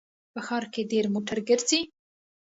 په ښار کې ډېر موټر ګرځي